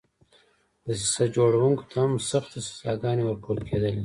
دسیسه جوړوونکو ته هم سختې سزاګانې ورکول کېدلې.